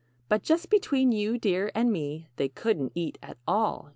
But just between you, dear, and me They couldn't eat at all, you see."